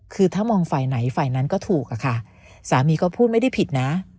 คือถ้ามองฝ่ายไหนฝ่ายนั้นก็ถูกอะค่ะสามีก็พูดไม่ได้ผิดนะ